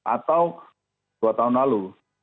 atau dua tahun lalu